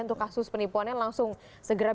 untuk kasus penipuannya langsung segera